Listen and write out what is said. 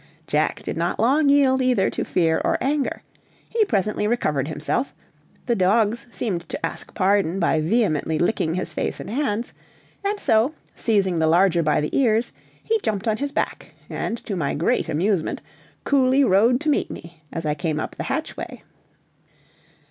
Jack did not long yield either to fear or anger; he presently recovered himself; the dogs seemed to ask pardon by vehemently licking his face and hands, and so, seizing the larger by the ears, he jumped on his back, and, to my great amusement, coolly rode to meet me as I came up the hatchway.